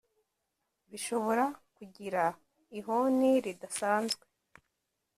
bishobora kugira ihoni ridasanzwe